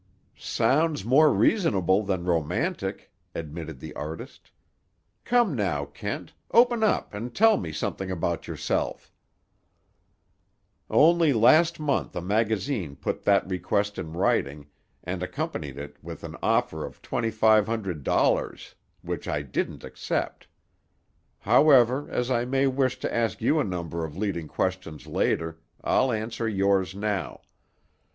"Sounds more reasonable than romantic," admitted the artist. "Come now, Kent, open up and tell me something about yourself." "Only last month a magazine put that request in writing, and accompanied it with an offer of twenty five hundred dollars—which I didn't accept. However, as I may wish to ask you a number of leading questions later, I'll answer yours now.